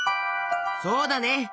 そうだね。